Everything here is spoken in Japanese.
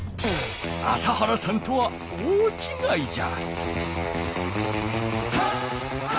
朝原さんとは大ちがいじゃ。